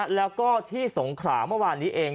แล้วก็ที่สงขราเมื่อวานนี้เอง